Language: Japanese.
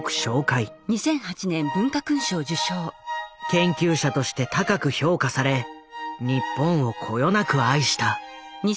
研究者として高く評価され日本をこよなく愛した。